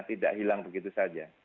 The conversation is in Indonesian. tidak hilang begitu saja